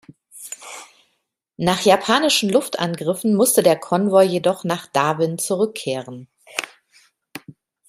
Nach japanischen Luftangriffen musste der Konvoi jedoch nach Darwin zurückkehren.